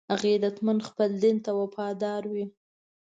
غیرتمند خپل دین ته وفادار وي